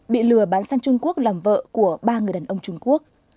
bị lừa bán sang trung quốc làm vợ của ba người đàn ông trung quốc